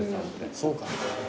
そうかな？